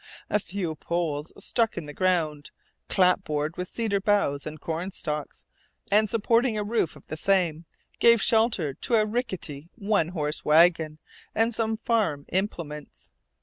A few poles stuck in the ground, clapboarded with cedar boughs and cornstalks, and supporting a roof of the same, gave shelter to a rickety one horse wagon and some farm implements.